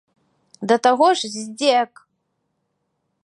Да таго ж здзек!